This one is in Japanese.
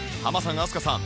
飛鳥さん！